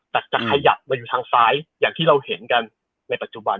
แต่จะขยับมาอยู่ทางซ้ายอย่างที่เราเห็นกันในปัจจุบัน